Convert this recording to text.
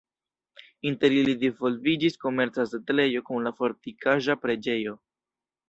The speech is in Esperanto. Inter ili disvolviĝis komerca setlejo kun la fortikaĵa preĝejo.